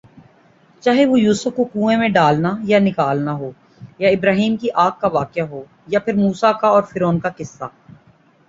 چاہے وہ یوسف ؑ کو کنویں میں ڈالنا یا نکالنا ہوا یا ابراھیمؑ کی آگ کا واقعہ یا پھر موسیؑ کا اور فرعون کا قصہ